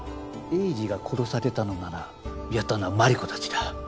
栄治が殺されたのならやったのは真梨子たちだ。